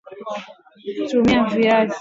Tumia Viazi Ukubwa wa kati nne